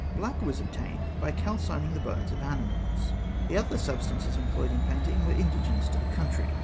Black was obtained by calcining the bones of animals. The other substances employed in painting were indigenous to the country.